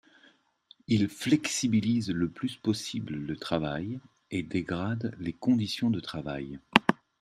Il flexibilise le plus possible le travail et dégrade les conditions de travail.